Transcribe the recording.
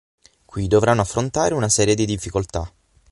Qui dovranno affrontare una serie di difficoltà.